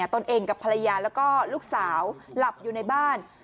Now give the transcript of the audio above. ตนเองกับภรรยาแล้วก็ลูกสาวหลับอยู่ในบ้าน